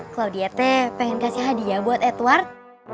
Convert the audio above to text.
kalau diete pengen kasih hadiah buat edward